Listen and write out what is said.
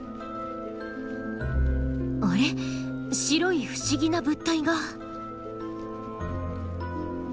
白い不思議な物体が。